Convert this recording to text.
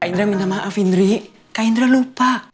kak indra minta maaf indri kak indra lupa